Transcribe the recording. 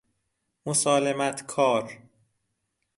مسالمت کار